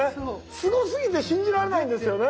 すごすぎて信じられないんですよね。